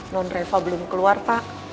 non reva belum keluar pak